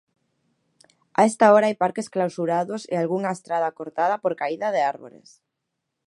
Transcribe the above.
A esta hora hai parques clausurados e algunha estrada cortada por caída de árbores.